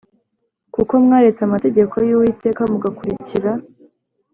kuko mwaretse amategeko y Uwiteka mugakurikira